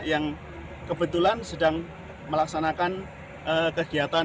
yang kebetulan sedang melaksanakan kegiatan